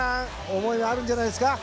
思いがあるんじゃないですか。